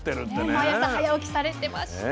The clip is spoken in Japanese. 毎朝早起きされてました。